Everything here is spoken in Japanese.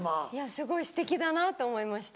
すごいすてきだなと思いました。